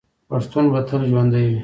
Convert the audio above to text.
پښتون به تل ژوندی وي.